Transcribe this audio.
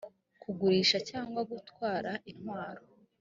kugurisha cyangwa gutwara intwaro